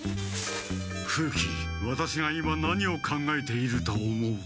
風鬼ワタシが今何を考えていると思う？